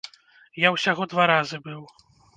Я ўсяго два разы быў.